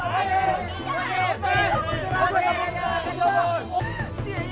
pertanyaan aku juga pegar anak ini pak